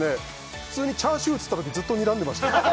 普通にチャーシュー映ったときずっとにらんでました